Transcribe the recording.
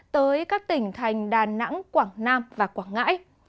tới các tỉnh thành đà nẵng quảng nam và quảng ngãi